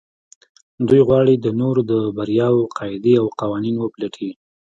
دوی غواړي د نورو د برياوو قاعدې او قوانين وپلټي.